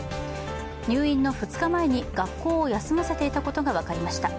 入院の２日前に学校を休ませていたことが分かりました。